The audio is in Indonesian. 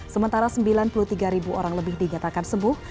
sementara sembilan puluh tiga ribu orang lebih dinyatakan sembuh